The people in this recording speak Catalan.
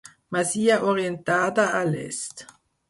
Masia orientada a l'est.